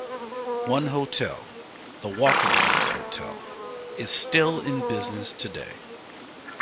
One hotel, the Walking Horse Hotel, is still in business today.